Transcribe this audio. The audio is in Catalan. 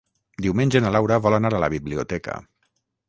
Diumenge na Laura vol anar a la biblioteca.